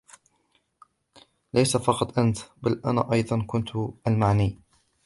ليس فقط انت بل انا ايضا كنت المعني